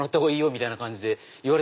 みたいな感じで言われて。